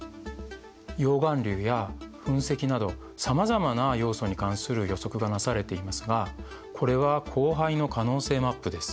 溶岩流や噴石などさまざまな要素に関する予測がなされていますがこれは降灰の可能性マップです。